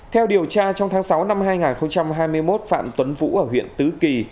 theo điều tra trong tháng sáu năm hai nghìn hai mươi một phạm tuấn vũ ở huyện tứ kỳ